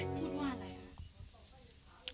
พูดว่าอะไร